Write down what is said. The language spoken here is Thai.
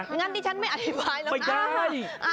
ด้วยงั้นนี่ฉันไม่อธิบายนะคะเอาไม่ได้